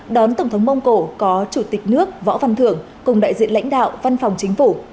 đón tổng thống mông cổ có chủ tịch nước võ văn thưởng cùng đại diện lãnh đạo văn phòng chính phủ